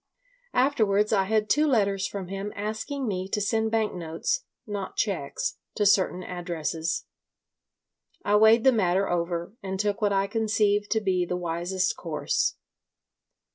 Afterwards I had two letters from him asking me to send bank notes—not cheques—to certain addresses. I weighed the matter over and took what I conceived to be the wisest course.